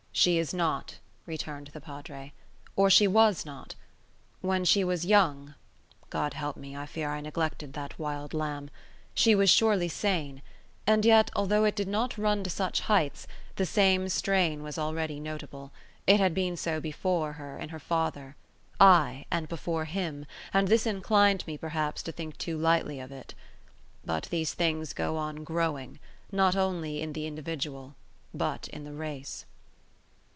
She is not," returned the Padre, "or she was not. When she was young—God help me, I fear I neglected that wild lamb—she was surely sane; and yet, although it did not run to such heights, the same strain was already notable; it had been so before her in her father, ay, and before him, and this inclined me, perhaps, to think too lightly of it. But these things go on growing, not only in the individual but in the race."